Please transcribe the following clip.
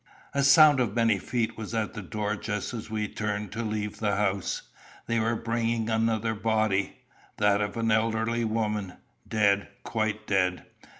A sound of many feet was at the door just as we turned to leave the house. They were bringing another body that of an elderly woman dead, quite dead.